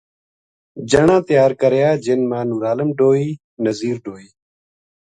جنا تیار کریا جن ما نورعالم ڈوئی نزیر ڈوئی